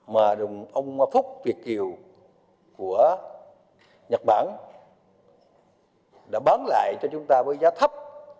mà ông phúc việt kiều của nhật bản đã bán lại cho chúng ta với giá thấp